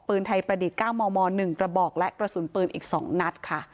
ปืนไทยประดิษฐ์๙มม๑กระบอกและกระสุนปืนอีก๒นัดค่ะ